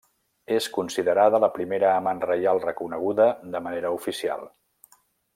És considerada la primera amant reial reconeguda de manera oficial.